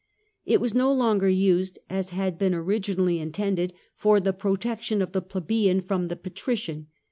It was no longer used (as had been originally intended) for the protection of the plebeian from the patrician.